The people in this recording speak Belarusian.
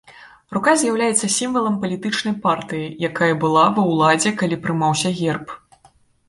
Рука з'яўляецца сімвалам палітычнай партыі, якая была ва ўладзе калі прымаўся герб.